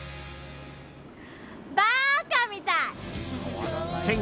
バーカみたい！